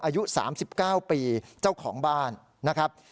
อายุสามสิบเก้าปีเจ้าของบ้านนะครับ